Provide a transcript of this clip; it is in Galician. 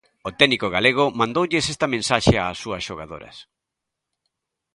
O técnico galego mandoulles esta mensaxe ás súas xogadoras.